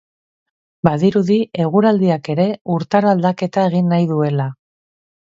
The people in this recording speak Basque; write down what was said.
Badirudi eguraldiak ere urtaro aldaketa egin nahi duela.